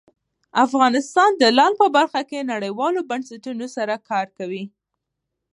افغانستان د لعل په برخه کې نړیوالو بنسټونو سره کار کوي.